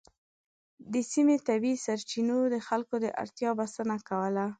د سیمې طبیعي سرچینو د خلکو د اړتیا بسنه کوله.